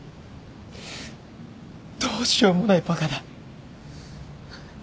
どうしようもないバカだ。